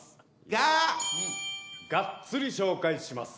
がっつり紹介します。